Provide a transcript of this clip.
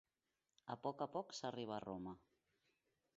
A poc a poc s'arriba a Roma.